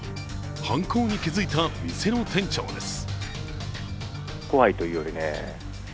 犯行に気付いた店の店長です。